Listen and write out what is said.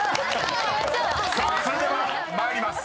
［さあそれでは参ります。